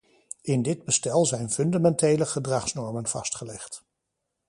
In dit bestel zijn fundamentele gedragsnormen vastgelegd.